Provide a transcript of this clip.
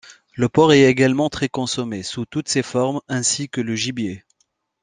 Le porc est également très consommé, sous toutes ses formes, ainsi que le gibier.